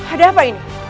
ada apa ini